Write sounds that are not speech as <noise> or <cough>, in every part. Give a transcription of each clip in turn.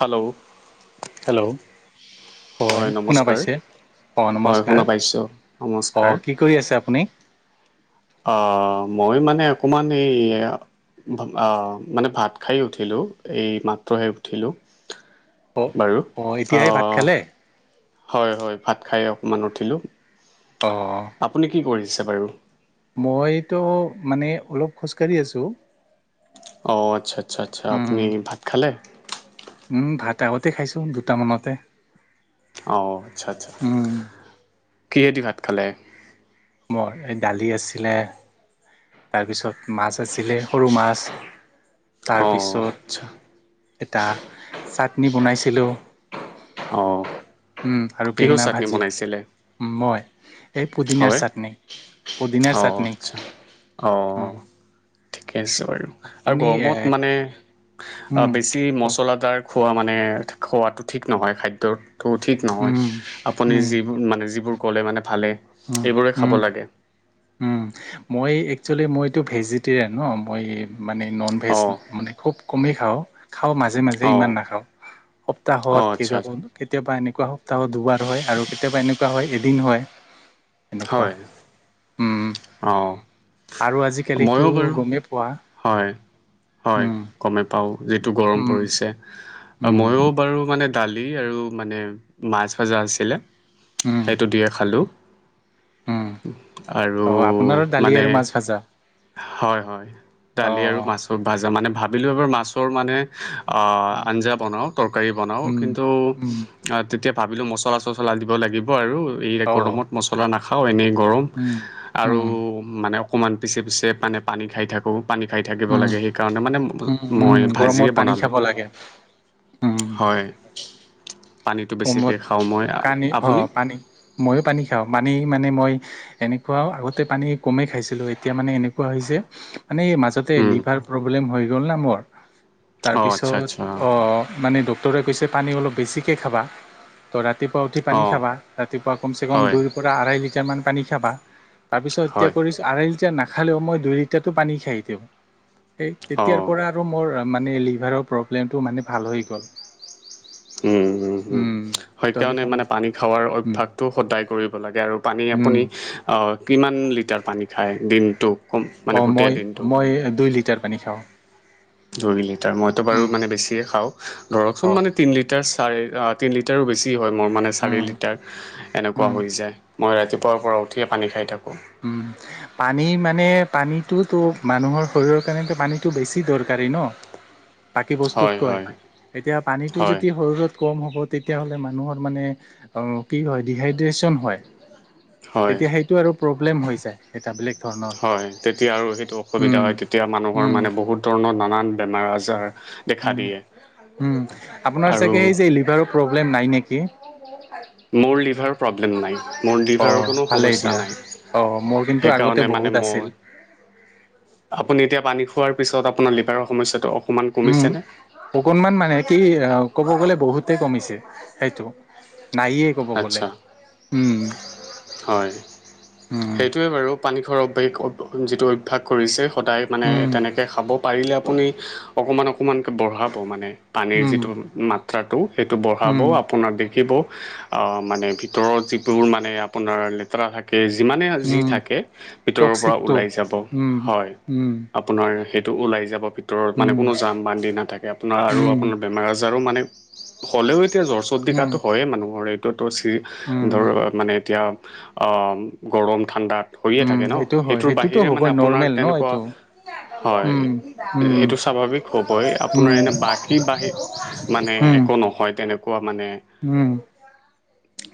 Hello! Hello! হয় শুনা পাইছে? অ' হয় শুনা নমস্কাৰ। পাইছোঁ নমস্কাৰ অ' কি কৰি আছে আপুনি? অ' মই মানে অকমান এই আ ভ আ মানে ভাত খাই উঠিলো এই মাত্ৰহে উঠিলো। অ বাৰু অ এতিয়াই ভাত অ'। খালে হয় হয় ভাত খাই অকমান উঠিলো। অ আপুনি কি কৰিছে বাৰু? মইতো মানে অলপ খোজকাঢ়ি আছো। অ' আচ্ছা আচ্ছা আচ্ছা, উম আপুনি ভাত খালে? উম ভাত আগতে খাইছো দুটামানতে। অ' আচ্ছা আচ্ছা। উম কিহে দি ভাত খালে? মই এই দালি আছিলে। তাৰপিছত মাছ আছিলে সৰু মাছ। অঁ আচ্ছা তাৰপিছত এটা চাটনি বনাইছিলো। অ'। উম আৰু বেঙেনা ভাজি উম মই। এই পুদিনাৰ হয় চাটনি পুদিনাৰ চাটনি। উম অ' ঠিকে আছে বাৰু। আৰু আপুনি এ গৰমত মানে আ উম বে ছি কওক মচলাদাৰ খোৱা মানে খোৱাটো ঠিক নহয় খাদ্যত ত' ঠিক নহয় উম, আপুনি উম, যিবোৰ মানে যিবোৰ ক'লে মানে ভালে উম, এইবোৰে উম, খাব লাগে। উম মই একচুৱেলি মইতো ভেজিটেৰিয়ান ন মই মানে নন ভেজ অ', মানে খুব কমেই খাওঁ। খাওঁ মাজে মাজে ইমান অ', নাখাওঁ সপ্তাহত অ', আচ্ছা আচ্ছা। কেতিয়াবা এনেকুৱা সপ্তাহত দুবাৰ হয় আৰু কেতিয়াবা এনেকুৱা হয় এদিন হয়। এনেকুৱা হয়। উম অ' আৰু আজিকালিতো মইও বাৰু গমেই পোৱা হয়, হয়। উম গমে পাওঁ যিটো গৰম উম পৰি ছে উম মইও বাৰু মানে দালি আৰু মানে মাছ ভাজা আছিলে। উম সেইটো দিয়ে খালো উম আৰু অ আপোনাৰো দালি আৰু মানে মাছ ভাজা হয় হয় অ দালি আৰু মাছৰ ভাজা মানে ভাবিলো এবাৰ মাছৰ মানে উম আঞ্জা বনাওঁ তৰকাৰী বনাওঁ উম কিন্তু উম তেতিয়া ভাবিলো মছলা চছলা দিব লাগিব আৰু এই অ গৰমত নাখাওঁ এনেই গৰম উম আৰু উম মানে অকণমান পিছে পিছে মানে পানী খাই থাকো। পানী খাই থাকিব উম লাগে সেইকাৰণে মানে উম উম মই গৰমত ভাজিয়ে পানী বনালো। খাব লাগে উম হয় পানীটো গৰমত বেছিকৈ খাওঁ মই। আপুনি? মইয়ো পানী খাওঁ পানী মানে মই এনেকুৱা আগতে পানী কমেই খাইছিলো এতিয়া মানে এনেকুৱা হৈছে মানে এই মাজ তে উম, লিভাৰ প্ৰব্লেম হৈ গ'ল না মোৰ অঁ আচ্ছা তাৰপিছত আচ্ছা অ মানে ড ক্টৰে কৈছে পানী অলপ বেছিকৈ খাবা। তো ৰাতিপুৱা উঠি পানী অঁ খাবা ৰাতিপুৱা কমচেকম হয় দুইৰ পৰা আঢ়াই লিটাৰমান পানী খাবা তাৰপিছত এতিয়া হয় কৰি আঢ়ৈ লিটাৰ নাখালেও মই দুই লিটাৰটো পানী খাই দিওঁ এই তেতিয়াৰ অঁ পৰা আৰু মোৰ মানে লিভাৰৰ প্ৰব্লেমটো মানে ভাল হৈ গ'ল। উম হুম হুম উম সেইকাৰণে মানে পানী খোৱাৰ উম অভ্যাসটো সদায় কৰিব লাগে আৰু পানী উম আপুনি কিমান লিটাৰ পানী খায় দিনটো? কম মানে অ গোটেই মই দিনটোত মই দুই লিটাৰ পানী খাওঁ। দুই লিটাৰ মইতো বাৰু উম মানে বেছিয়ে খাওঁ অ ধৰকচোন মানে তিনি লিটাৰ চাৰে তিন লিটাৰো বেছি হয় মোৰ মানে চাৰি উম লিটাৰ। এনেকুৱা উম হৈ যায় মই ৰাতিপুৱাৰ পৰা উঠিয়ে পানী খাই থাকো। উম পানী মানে পানীটোতো মানুহৰ শৰীৰৰ কাৰণেতো পানীটো বেছি দৰকাৰী ন বাকী হয় বস্তুত কৈ হয় এতিয়া পানীটো হয় যদি শৰীৰত কম হ'ব তেতিয়াহ'লে মানুহৰ মানে কি হয় ডিহাইড্ৰেচন হয়। হয় তেতিয়া সেইটো আৰু প্ৰব্লেম হৈ যায় এটা বেলেগ ধৰণৰ হয় তেতিয়া আৰু সেইটো অসুবিধা উম হয় তেতিয়া মানুহৰ উম মানে বহুত ধৰণৰ নানান বেমাৰ আজাৰ দেখা উম দিয়ে উম আপোনাৰ চাগে আৰু এই যে লিভাৰৰ প্ৰব্লেম নাই নেকি? মোৰ লিভাৰৰ প্ৰব্লেম নাই মোৰ অ লিভাৰৰ কোনো ভালেই সমস্যা দিয়া নাই অ মোৰ কিন্তু আগতে সেইকাৰণে বহুত মানে মই আছিল আপুনি এতিয়া পানী খোৱাৰ পিছত আপোনাৰ লিভাৰৰ সমস্যাটো অকমান কমিছে নে? অকনমান মানে কি অ ক'ব গ'লে বহুতে কমিছে সেইটো নাইয়ে। আচ্ছা হয় উম সেইটোৱে বাৰু পানীখোৱাৰ অভ্য যিটো অভ্যাস কৰিছে সদায় মানে উম তেনেকৈ খাব। পাৰিলে আপুনি অকণমান অকণমানকৈ বঢ়াব মানে পানীৰ উম যিটো মা ত্ৰাটো সেইটো বঢ়াব উম আপোনাৰ দেখিব আ মানে ভিতৰৰ যিবোৰ মানে আপোনাৰ লে তেৰা থাকে যিমানে যি উম থাকে ভিতৰৰ পৰা টক্সিকটো ওলাই যাব উম হয়। উম আপোনাৰ সেইটো ওলাই যাব ভিতৰত মানে উম কোনো জাম বান্ধি নাথাকে আপোনাৰ আৰু উম আপোনাৰ বেমাৰ আ জাৰো মানে হ'লেও এতিয়া জ্বৰ চৰ্দি উম কাহটো হয়ে মানুহৰ এইটোতো চিৰি উম ধৰ মানে এতিয়া আ গৰম ঠাণ্ডাত হৈয়ে উম থাকে ন সেইটো হয় সেইটোৰ সেইটোতো বাহিৰে হ'বই মানে আপোনাৰ নৰ্মেল ন তেনেকুৱা এইটো হয় উম উম সেইটো স্বাভাৱিক হ'বই উম আপোনাৰ এনে বাকী বা মানে উম একো নহয় তেনেকুৱা মানে উম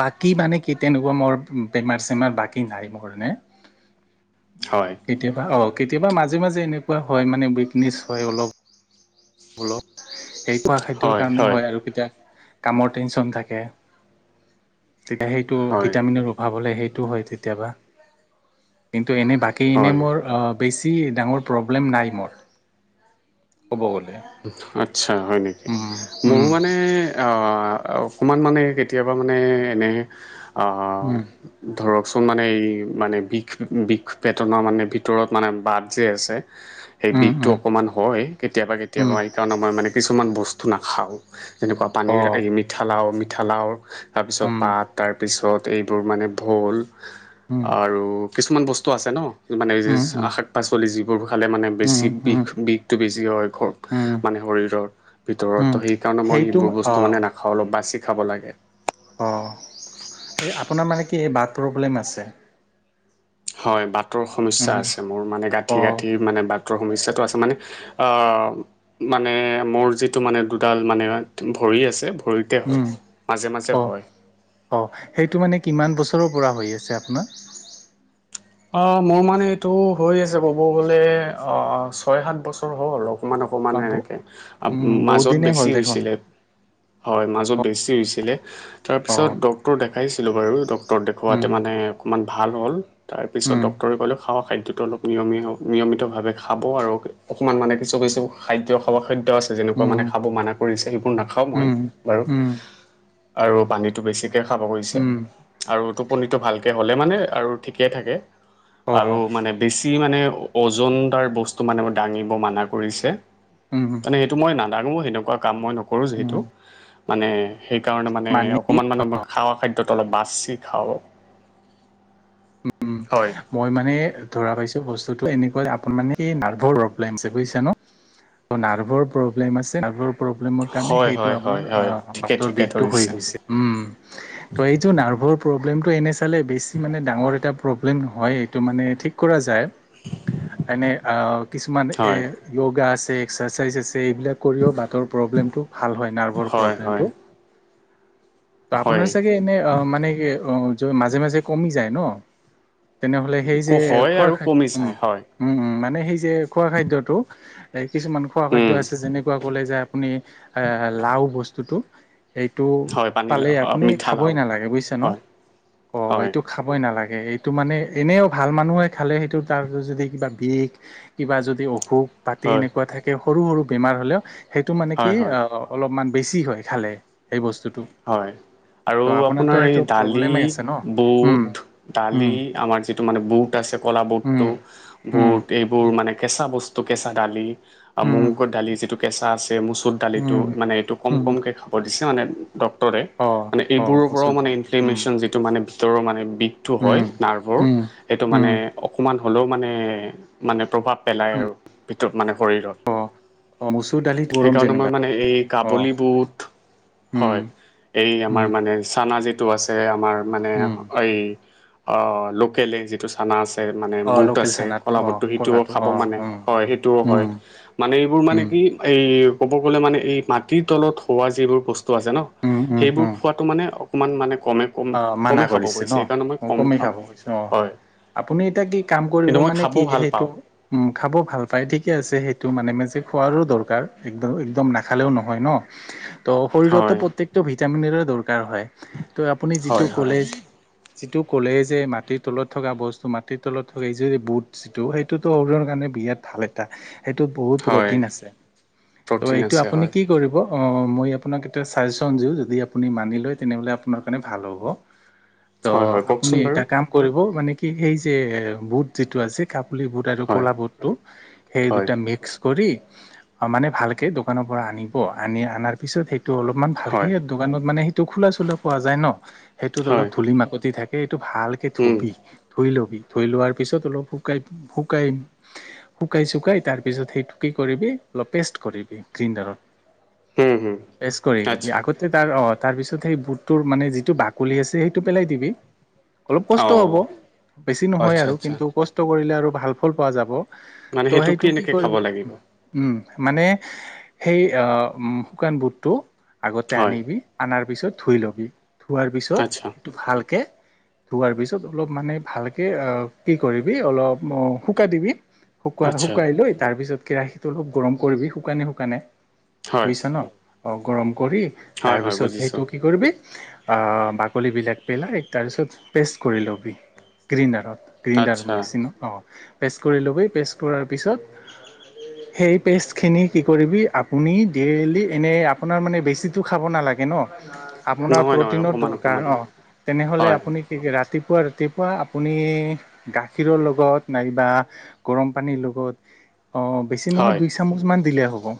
বাকী মানে কি তেনে কুৱা মোৰ বেমাৰ চেমাৰ বাকী নাই মোৰ মানে হয়। কেতিয়াবা অ কেতিয়াবা মাজে মাজে এনেকুৱা হয় মানে উইকনেছ হয় অলপ অলপ সেইপা সেইটোৰ কাৰণে হয় আৰু কেতিয়া কামৰ টেনচন থাকে তেতিয়া সেইটো হয় ভিটামিনৰ অভাৱ হ'লে সেইটো হয় কেতিয়াবা কিন্তু এনেই বাকী এনে হয় মোৰ আ বেছি ডাঙৰ প্ৰব্লেম নাই মোৰ ক'ব গ'লে। আতচ্ছা হয় নেকি উম মোৰো উম মানে অ অকণমান মানে কেতিয়াবা মানে এনে অ উম ধৰকচোন মানে এই মানে বিষ বিষ পেটনৰ মানে ভিতৰত মানে বাট যে আছে অ <inaudible> সেই বিষটো অকণমান হয় কেতিয়াবা কেতিয়াবা উম সেইকাৰণ মই মানে কিছুমান বস্তু নাখাওঁ তেনেকুৱা অ পানীৰ এই মিঠা লাও মিঠা লাও তাৰপিছত উম পাত তাৰপিছত এইবোৰ মানে ভুল উম আৰু কিছুমান বস্তু আছে ন মানে এই যেছ উম উম শাক পাচলি যিবোৰ খালে মানে বেছি উম উম বিষ বিষটো বেছি হয় ঘৰ উম মানে শৰীৰৰ ভিতৰত উম ত সেইকাৰণে মই সেইটো সেইবোৰ অ বস্তু মানে নাখাওঁ অলপ বাছি খাব লাগে অঁ এই আপোনাৰ মানে কি এই বাট প্ৰব্লেম আছে হয় বাটৰ সমস্যা উম আছে মোৰ মানে গাঁঠি অ গাঁঠি মানে বাটৰ সমস্যাটো আছে মানে আহ মানে মোৰ যিটো মানে দুডাল মানে ভৰি আছে ভৰিত উম অঁ অঁ সেইটো মানে কিমান বছৰৰ পৰা হৈ আছে আপোনাৰ? অ মোৰ মানে এইটো হৈ আছে ক'ব গ'লে অ ছয় সাত বছৰ হ'ল অলপ অকমান অকমান বাবু এনেকে আ উম বহুত মাজত দিনেই বেছি হ'ল দেখোন হৈছিলে হয় মাজত অ বেছি হৈছিলে অ তাৰপিছত ডক্তৰ দেখাইছিলোঁ বাৰু ডক ক্তৰ দেখোৱাতে উম মানে অকণমান ভাল হ'ল তাৰপিছত উম ডক্তৰে ক'লে খাৱা খাদ্যটো অলপ নিয়মীয়া নিয়মিতভাৱে খাব আৰু অকণমান মানে কিছু কিছু খাদ্য খাবা খাদ্য আছে যেনেকুৱা মানে উম খাব মানা কৰিছে সেইবোৰ নাখাওঁ মই উম বাৰু উম আৰু পানীটো বেছি কে খাব কৈছে উম আৰু টোপনিটো ভালকে হ'লে মানে আৰু ঠিকে থাকে অ আৰু অ মানে বেছি মানে অজন দাৰ বস্তু মানে দাঙিব মানা কৰিছে উম মানে সেইটো মই নাদাঙো সেনেকুৱা কাম মই নকৰোঁ যিহেতু উম মানে সেইকাৰণে মানে অকণমান মানে মই খাৱা খাদ্যটো অলপ বাচি খাওঁ <inaudible> উম হয় মই মানে ধৰা পাইছো বস্তুটো এনেকুৱা আপোনাৰ মানে নাৰ্ভৰ প্ৰব্লেম বুজিছা ন ত' নাৰ্ভৰ প্ৰ'ব্লেম আছে নাৰ্ভৰ প্ৰব্লেমৰ কাৰণে হয় সেইটো হয় হয় আপোনাৰ হয় আ ঠিকে বাটৰ ঠিকে বিষ ধৰিছে ছে উম ত এইটো নাৰ্ভৰ প্ৰব্লেমটো এনে চালে বেছি মানে ডাঙৰ এটা প্ৰব্লেম নহয় এইটো মানে ঠিক কৰা যায় এনে আ কিছুমান এ হয় য়োগা আছে এক্সাৰচাইজ আছে এইবিলাক কৰিও বাটৰ প্ৰব্লেমটো ভাল হয় নাৰ্ভৰ হয় প্ৰব্লেমটো হয় ত হয় আপোনাৰ চাগে এনে অ মানে কে অ মাজে মাজে কমি যায় ন তেনেহলে সেই যে হয় খোৱা আৰু খাই কমি উম যায় হয় উম উ মানে সেই যে খোৱা খাদ্যটো এ কিছুমান খোৱা উম, খাদ্য আছে যেনেক কোৱা ক'লে যে আপুনি এ লাও বস্তুটো এইটো হয় পালেই পানীলাও আপুনি খাবই মিঠালাও নালাগে বুজিছে ন হয় অ হয় এইটো খাবই নালাগে এইটো মানে এনেও ভাল মানুহে খালে সেইটো তাৰ যদি কিবা বিষ কিবা যদি অসুখ পাতি হয় এনেকুৱা থাকে সৰু সৰু বেমাৰ হ'লেও সেইটো মানে কি হয় হয় অলপমান বেছি হয় খালে সেই বস্তুটো হয়, আৰু ত' আপোনাৰতো আপোনাৰ এই সেইটো দালি প্ৰব্লেমেই আছে ন উম বুট দালি উম আমাৰ যি টো, মানে বুট আছে কলা বুটটো উম উম বুট এইবোৰ মানে কেঁচা বস্তু কেঁচা দালি আ উম মুগৰ দালি যিটো কেঁচা আছে মচুৰ দালিটো উম মানে এইটো কম, উম কমকে খাব দিছে মানে ড্ক্তৰে অ মানে অ এইবোৰৰ পৰাও মচুৰ মানে দালিটো উম ইনফ্লেমেশ্যন যিটো মানে ভিতৰৰ মানে বিষটো হয় উম নাৰ্ভৰ উম সেইটো উম মানে অকমান হ'লেও মানে মানে প্ৰভাৱ পেলায় উম আৰু ভিতৰত মানে শৰীৰত। অ অ মচুৰ দালিত গৰম সেইকাৰণে যেনিবা মই মানে এই অ কাবুলী বুট উম হয় এই উম আমাৰ মানে চানা যিটো আছে আমাৰ মানে উম এই অ লোকেল এই যি টো চানা আছে মানে বুট আছে, ক'লা বুটটো সেইটোও খাব মানে হয়, সেইটোও হয়। মানে এইবোৰ মানে কি এই ক'ব গ'লে মানে এই মাটিৰ তলত হোৱা যিবোৰ বস্তু আছে ন, সেইবোৰ খোৱা তো মানে অকমান মানে কমে। কম অ মানা কমেই খাব কৰিছে কৈছে ন সেইকাৰণে মই কম মোকো খাওঁ নেখাব কৈছে অ। হয় আপুনি এতিয়া কি কাম কৰিব কিন্তু মই মানে খাব কি ভাল সেইটো পাওঁ উম খাব ভাল পায় ঠিকে আছে সেইটো মানে মেজে খোৱাৰো দৰকাৰ একদম, একদম নাখালেও নহয় ন। ত শৰীৰতো হয় প্ৰত্যেকটো ভিটামিনৰে দৰকাৰ হয়। ত আপুনি যিটো হয় হয় কলেজ যিটো ক'লে যে মাটিৰ তলত থকা বস্তু মাটিৰ তলত হয় যে এই বুটচ যিটো সেইটোতো অৰীৰৰ কাৰণে বিৰাট ভাল এটা। সেইটো বহুত হয় প্ৰ'টিন আছে ত' প্ৰ'টিন এইটো আছে আপুনি হয় কি কৰিব অ মই আপোনাক এটা ছাজেচন দিও যদি আপুনি মানি লয় তেনেহলে আপোনাক মানে ভাল হ'ব ত হয় হয় আপুনি কওকচোন বাৰু এটা কাম কৰিব মানে কি এই যে বুট যিটো আছে কাপুলি বুট আৰু হয় ক'লা বুটটো সেই হয় দুটা মিক্স কৰি অ মানে ভালকে দোকানৰ পৰা আনিব, আনি আনাৰ পিছত সেইটো অলপমান ভালকে হয় দোকানত মানে সেইটো খোলা চোলা পোৱা যায় ন, সেইটোত অলপ হয় ধূলি মাকতি থাকে এইটো ভাল কে উম, ধুবি ধুই লবি, ধুই লোৱাৰ পিছত অলপ শুকাই শুকাই শুকাই চুকাই তাৰপিছত সেইটো কি কৰিবি অলপ পেষ্ট কৰিবি গ্ৰিণ্ডাৰত হুম, হুম, পেষ্ট কৰি ল'বি আচ্ছা। আগতে তাৰ অ তাৰ পিছত সেই বুট টোৰ, মানে যিটো বাকলি আছে সেইটো পেলাই দিবি। অলপ কষ্ট হ'ব অ', বেছি নহয় আচ্ছা, আৰু আচ্ছা। কিন্তু কষ্ট কৰিলে আৰু ভাল ফল পোৱা যাব। মানে ত' সেইটো কি কেনেকে খাব কৰিবি লাগিব? উম, মানে সেই আহ উ শুকান বুটটো আগতে হয়, আনিবি আনাৰ পিছত ধুই ল'বি, ধোৱাৰ পিছত আচ্ছা, সেইটো ভালকে ধোৱাৰ পিছত অলপ মানে ভালকে কি কৰিবি, অলপ অ শুকাই দিবি। শুকুৱাৰ আচ্ছা, শুকুৱাই লৈ তাৰপিছত কেৰাহীটো অলপ গৰম কৰিবি শুকানে, শুকানে। হয়। ফুৰিছে ন অ গৰম কৰি হয়, হয়, তাৰপিছত বুজিছোঁ। সেইটো কি কৰিবি আহ বাকলিবিলাক পেলাই তাৰপিছত পেষ্ট কৰি ল'বি গ্ৰিণ্ডাৰত গ্ৰিণ্ডাৰ আচ্ছা, মেচিনত অ পেষ্ট কৰি ল'বি, পেষ্ট কৰাৰ পিছত সেই পেষ্টখিনি কি কৰিবি আপুনি ডেইলি এনেই আপোনাৰ মানে বেছিটো খাব নালাগে ন? আপোনাৰ নহয়, নহয়, প্ৰ'টিনৰ অকমান, দৰকাৰ অকমান। অ তেনেহ'লে হয়, আপুনি ঠিক ৰাতিপুৱা, ৰাতিপুৱা আপুনি গাখীৰৰ লগত নাইবা গৰম পানীৰ লগত আহ বেছি নহয় হয়, দুই চামুচ মান দিলে হ'ব।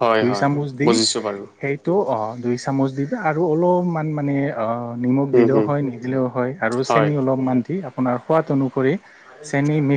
হয়, দুই হয়, চামুচ দি বুজিছোঁ বাৰু। সেইটো অ দুই চামুচ দিব আৰু অলপমান মানে অ নিমখ উম, দিলেও হুম, হয় নিদিলেও হয় আৰু হয়। চেনি অলপমান দি আ পোনাৰ সোৱাদ অনুসৰি চেনি মিক্স